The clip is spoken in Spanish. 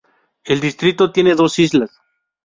El distrito tiene dos islas.